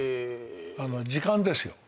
『時間ですよ』